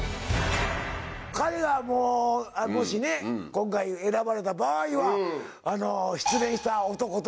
彼がもし今回選ばれた場合は失恋した男。